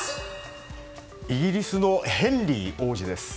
イギリスのヘンリー王子です。